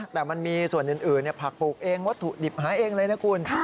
แต่มันมีส่วนอื่นผักปลูกเองวัตถุดิบหาเองเลยนะคุณ